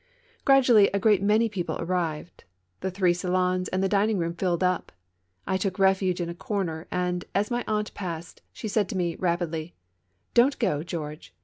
Gradually, a great many people arrived. The three salons and the dining room filled up. I took refuge in a corner, and, as my aunt passed, she said to me, rapidly : "Don't go, George.